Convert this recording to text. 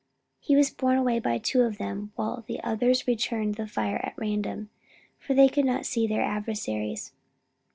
He was borne away by two of them, while the others returned the fire at random, for they could not see their adversaries.